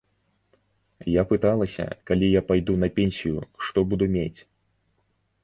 Я пыталася, калі я пайду на пенсію, што буду мець?